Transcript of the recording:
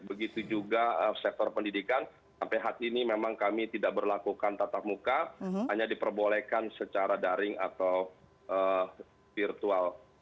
begitu juga sektor pendidikan sampai hari ini memang kami tidak berlakukan tatap muka hanya diperbolehkan secara daring atau virtual